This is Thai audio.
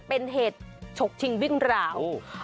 เป็นเหตุฉกชิงวิ่งราว